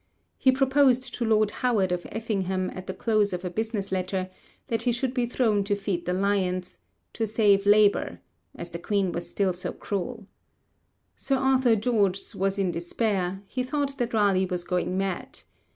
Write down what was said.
He proposed to Lord Howard of Effingham at the close of a business letter, that he should be thrown to feed the lions, 'to save labour,' as the Queen was still so cruel. Sir Arthur Gorges was in despair; he thought that Raleigh was going mad.